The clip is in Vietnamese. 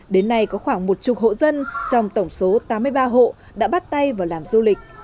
đến nay có khoảng một mươi hộ dân trong tổng số tám mươi ba hộ đã bắt tay vào làm du lịch